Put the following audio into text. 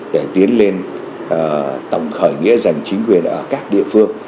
để tiến lên tổng khởi nghĩa giành chính quyền ở các địa phương